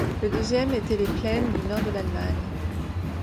Le deuxième était les plaines du nord de l'Allemagne.